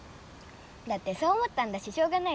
だってそう思ったんだししょうがないじゃん。